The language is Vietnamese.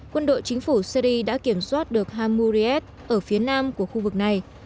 quân đội chính phủ syri đã kiểm soát được hamuriet ở phía nam của khu vực này